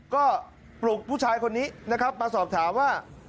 ก็ปลุกผู้ชายคนนี้นะครับมาสอบถามว่า